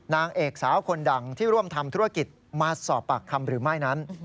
นางเอกสาวคนดังที่ร่วมทำธุรกิจมาสอบปากคำหรือไม่นั้น